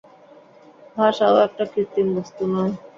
ভাষাও একটা কৃত্রিম বস্তু নয়।